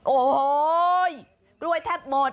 โอ้โหกล้วยแทบหมด